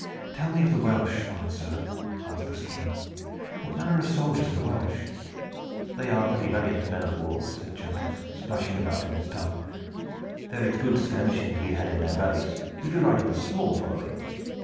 "Tell me of the Welsh, honored sir," asked the Squire. "What manner of soldiers are the Welsh?" "They are very valiant men of war," said Chandos, splashing about in his tub. "There is good skirmishing to be had in their valleys if you ride with a small following.